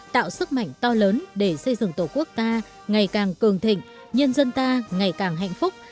tạo sức mạnh to lớn để xây dựng tổ quốc ta ngày càng cường thịnh nhân dân ta ngày càng hạnh phúc